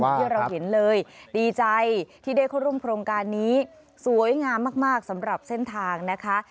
ที่เราเห็นเลยดีใจที่ได้เข้าร่วมโครงการนี้สวยงามมากสำหรับเส้นทางนะคะ